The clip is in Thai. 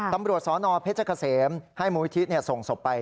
ตำรวจสนเพชรเกษมให้มูลิธิส่งศพไป